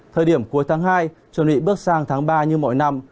thời điểm cuối tháng hai chuẩn bị bước sang tháng ba như mọi năm